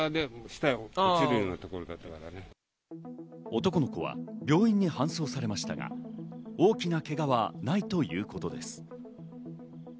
男の子は病院に搬送されましたが大きなけがはないということです。